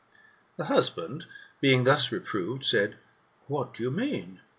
" The husband being thus reproved, said, ''What do you mean